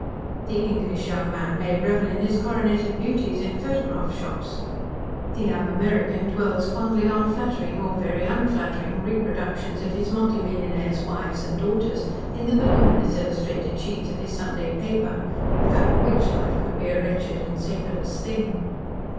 The English young man may revel in his coroneted beauties in photograph shops, the young American dwells fondly on flattering, or very unflattering, reproductions of his multi millionaires' wives and daughters in the voluminous illustrated sheets of his Sunday paper, without which life would be a wretched and savourless thing.